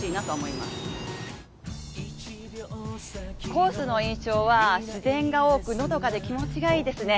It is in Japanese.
コースの印象は自然が多く、のどかで気持ちがいいですね。